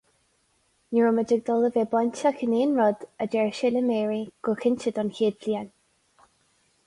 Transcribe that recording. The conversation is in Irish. Ní raibh muid ag dul a bheith bainteach in aon rud, a deir sé le Mary, go cinnte don chéad bhliain.